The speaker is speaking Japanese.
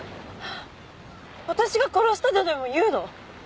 私が殺したとでもいうの？